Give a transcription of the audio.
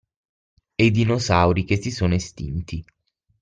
E i dinosauri che si sono estinti.